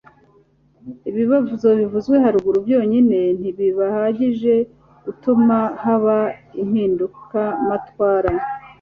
ibibazo bivuzwe haruguru byonyine ntibihagije gutuma haba impinduramatwara